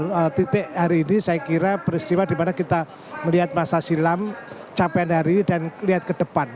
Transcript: nah titik hari ini saya kira peristiwa dimana kita melihat masa silam capaian hari ini dan melihat ke depan